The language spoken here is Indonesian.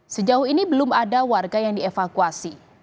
sejauh ini belum ada warga yang dievakuasi